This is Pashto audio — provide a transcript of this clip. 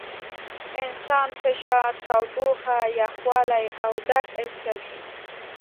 انسان فشار، تودوخه، یخوالي او درد حس کوي.